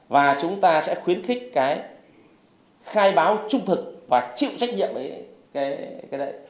và chúng ta sẽ khuyến khích cái khai báo trung thực và chịu trách nhiệm với cái đấy